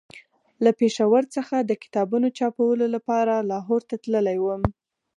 له پېښور څخه د کتابونو چاپولو لپاره لاهور ته تللی وم.